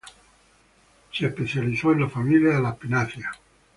Se especializó en la familia de las pináceas.